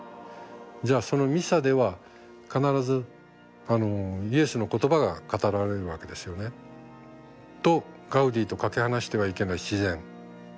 じゃあそのミサでは必ずイエスの言葉が語られるわけですよね。とガウディとかけ離してはいけない自然。